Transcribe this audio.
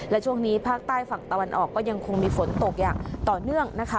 และช่วงนี้ภาคใต้ฝั่งตะวันออกก็ยังคงมีฝนตกอย่างต่อเนื่องนะคะ